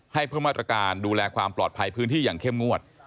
เพิ่มมาตรการดูแลความปลอดภัยพื้นที่อย่างเข้มงวด